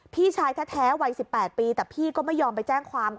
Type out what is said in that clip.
พี่ชายแท้วัย๑๘ปีแต่พี่ก็ไม่ยอมไปแจ้งความ